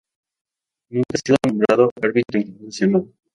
Nunca ha sido nombrado árbitro internacional.